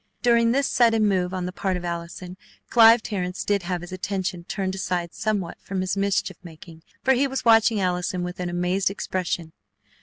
During this sudden move on the part of Allison, Clive Terrence did have his attention turned aside somewhat from his mischief making, for he was watching Allison with an amazed expression.